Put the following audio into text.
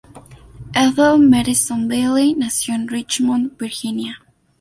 Ethel Madison Bailey nació en Richmond, Virginia.